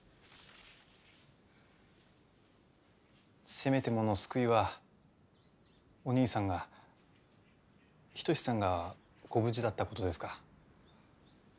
せめてもの救いはお兄さんが一さんがご無事だった事ですか。